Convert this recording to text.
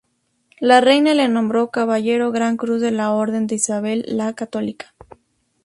La Reina le nombró caballero gran cruz de la Orden de Isabel la Católica.